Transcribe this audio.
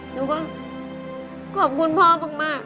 หนูก็ขอบคุณพ่อมาก